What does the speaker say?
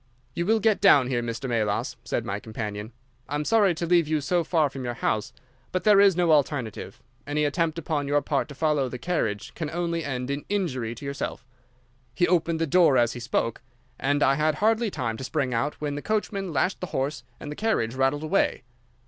"'You will get down here, Mr. Melas,' said my companion. 'I am sorry to leave you so far from your house, but there is no alternative. Any attempt upon your part to follow the carriage can only end in injury to yourself.' "He opened the door as he spoke, and I had hardly time to spring out when the coachman lashed the horse and the carriage rattled away.